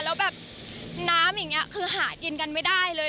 แล้วแบบน้ำอย่างนี้คือหากินกันไม่ได้เลย